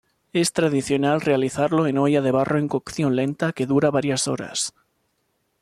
Es tradicional realizarlo en olla de barro en cocción lenta que dura varias horas.